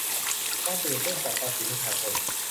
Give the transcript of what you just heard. ความตื่นเต้นจากภาษีประชาชน